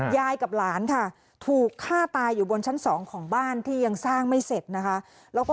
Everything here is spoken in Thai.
ยายกับหลานค่ะถูกฆ่าตายอยู่บนชั้น๒ของบ้านที่ยังสร้างไม่เสร็จนะคะ